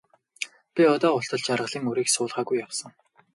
Би одоо болтол жаргалын үрийг суулгаагүй явсан.